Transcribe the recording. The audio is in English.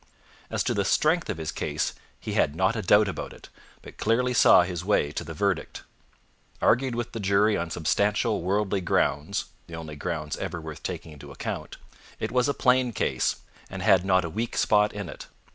As to the strength of his case, he had not a doubt about it, but clearly saw his way to the verdict. Argued with the jury on substantial worldly grounds the only grounds ever worth taking into account it was a plain case, and had not a weak spot in it.